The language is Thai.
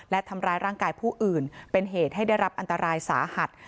และทำร้ายร่างกายผู้อื่นเป็นเหตุให้ได้รับอันตรายสาหัส